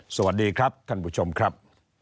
สวัสดีครับท่านผู้ชมครับ